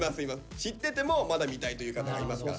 知っててもまだ見たいという方がいますから。